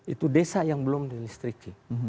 itu desa yang belum di listrikin